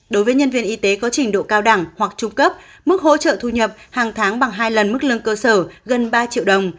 đối với nhân viên y tế có trình độ cao đẳng hoặc trung cấp mức hỗ trợ thu nhập hàng tháng bằng hai lần mức lương cơ sở gần ba triệu đồng